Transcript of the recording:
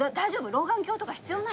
老眼鏡とか必要ない？